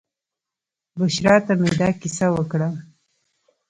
بشرا ته مې دا کیسه وکړه.